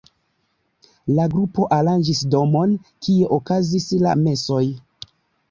La grupo aranĝis domon, kie okazis la mesoj.